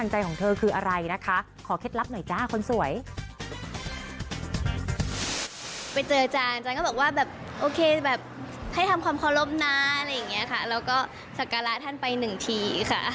ให้ทำความขอบค์น้าอะไรแบบนี้ค่ะแล้วก็สักการะท่านไปหนึ่งทีค่ะ